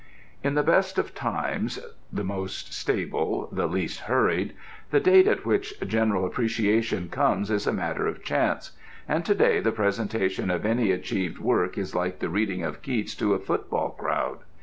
In the best of times (the most stable, the least hurried) the date at which general appreciation comes is a matter of chance, and to day the presentation of any achieved work is like the reading of Keats to a football crowd.